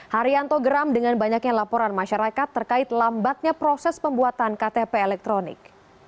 haryanto geram dengan banyaknya laporan masyarakat terkait lambatnya proses pembuatan ktp elektronik